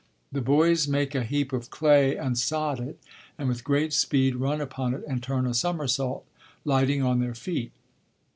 The boys make a heap of clay and sod it, and with great speed run upon it and turn a somersault, lighting on their feet.